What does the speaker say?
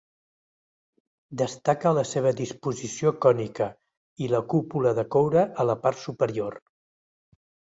Destaca la seva disposició cònica i la cúpula de coure a la part superior.